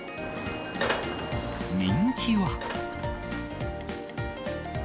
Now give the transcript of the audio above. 人気は。